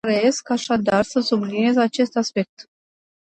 Doresc, așadar, să subliniez acest aspect.